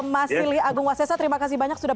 mas silih agung wasesa terima kasih banyak sudah